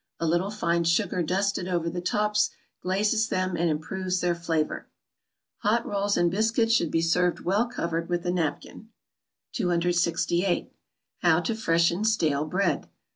A little fine sugar dusted over the tops glazes them and improves their flavor. Hot rolls and biscuits should be served well covered with a napkin. 268. =How to freshen stale Bread.